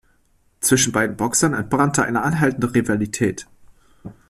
Zwischen beiden Boxern entbrannte eine anhaltende Rivalität.